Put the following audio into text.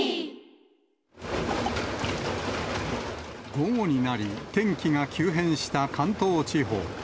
午後になり、天気が急変した関東地方。